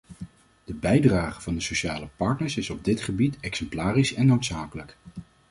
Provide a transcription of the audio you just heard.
De bijdrage van de sociale partners is op dit gebied exemplarisch en noodzakelijk.